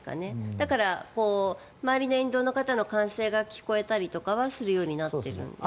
だから、周りの沿道の方の歓声が聞こえたりとかはするようになってるんですかね。